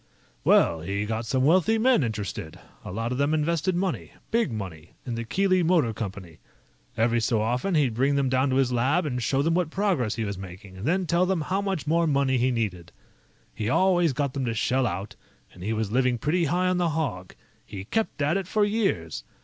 "Well, he got some wealthy men interested. A lot of them invested money big money in the Keely Motor Company. Every so often, he'd bring them down to his lab and show them what progress he was making and then tell them how much more money he needed. He always got them to shell out, and he was living pretty high on the hog. He kept at it for years.